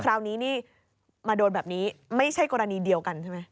คราวนี้นี่มาโดนแบบนี้ไม่ใช่กรณีเดียวกันใช่ไหม